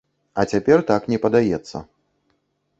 А цяпер так не падаецца.